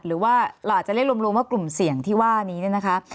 หรือว่าเราอาจจะเรียกรวมว่ากลุ่มเสี่ยงที่ว่านี้เนี่ยนะคะ